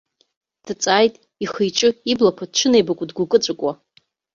Дҵааит, ихиҿы, иблақәа дшынеибаку дыгәкы-ҵәыкуа.